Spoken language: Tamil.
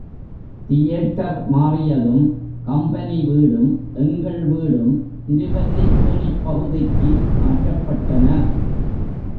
தியேட்டர் மாறியதும் கம்பெனி வீடும், எங்கள் வீடும் திருவல்லிக்கேணிப் பகுதிக்கு மாற்றப்பட்டன.